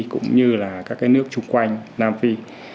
cũng như là các cái nước chung quanh nam phi